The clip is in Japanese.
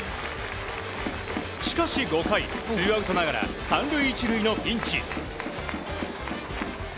しかし５回ツーアウトながら３塁１塁のピンチ。